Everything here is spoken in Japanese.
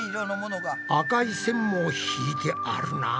赤い線も引いてあるな。